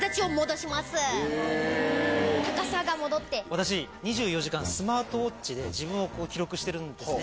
私２４時間スマートウオッチで自分を記録してるんですね。